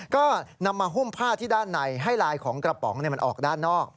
ก็นำมาหุ้มผ้าที่ด้านในให้ลายของกระป๋องมันออกด้านนอก